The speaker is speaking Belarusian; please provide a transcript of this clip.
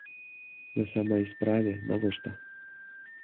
На самай справе, навошта?